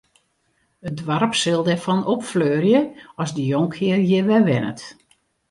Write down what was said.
It doarp sil derfan opfleurje as de jonkhear hjir wer wennet.